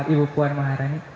ibu puan maharani